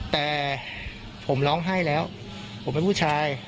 แต่ผมร้องไห้แล้วผมเป็นผู้ชาย